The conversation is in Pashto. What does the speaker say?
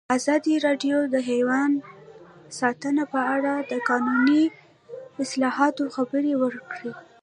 ازادي راډیو د حیوان ساتنه په اړه د قانوني اصلاحاتو خبر ورکړی.